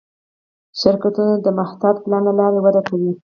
شرکتونه د محتاط پلان له لارې وده کوي.